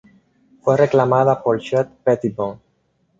Fue remezclada por Shep Pettibone.